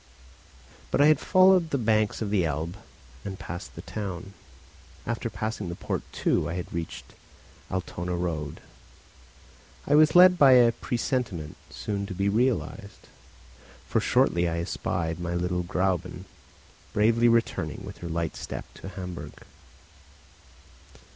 But I had followed the banks of the Elbe and passed the town. After passing the port too, I had reached the Altona road. I was led by a presentiment, soon to be realised; for shortly I espied my little Gräuben bravely returning with her light step to Hamburg.